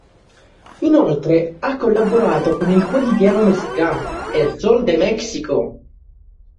Inoltre ha collaborato con il quotidiano messicano El Sol de México.